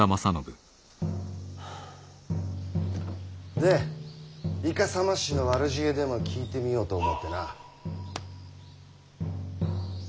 でイカサマ師の悪知恵でも聞いてみようと思うてな。